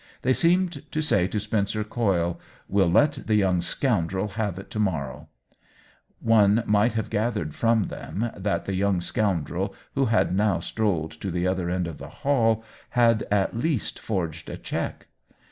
They seemed to say to Spencer Coyle, "We'll let the young scoundrel have it to morrow !" One might have gathered from them that the young scoundrel, who had now strolled to the other end of the hall, had at least forged a check.